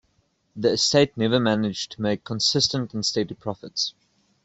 The estate never managed to make consistent and steady profits.